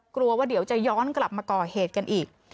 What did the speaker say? กลัวว่าเดี๋ยวจะย้อนกลับมาก่อเหตุกันอีก